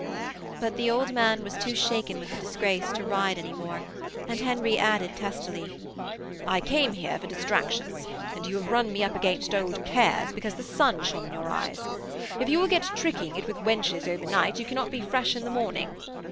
But the old man was too shaken with the disgrace to ride any more, and Henry added testily: 'I came here for distractions, and you have run me up against old cares because the sun shone in your eyes. If you will get tricking it with wenches over night you cannot be fresh in the morning.